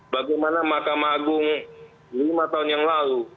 bagaimana mahkamah agung lima tahun yang lalu